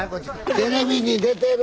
テレビに出てる。